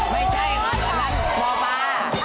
ไม่ใช่ครับค่ะพอมา